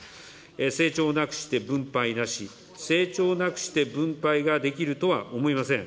成長なくして分配なし、成長なくして分配ができるとは思いません。